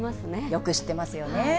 よく知ってますよね。